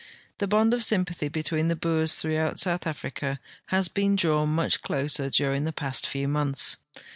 The bond of S3unpathy betweeqthe Boers throughout South Africa has been drawn much closer during the past few months.